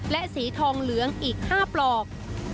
และสีทองเหลืองอีก๕ปลอก